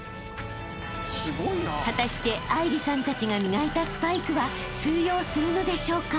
［果たして愛梨さんたちが磨いたスパイクは通用するのでしょうか？］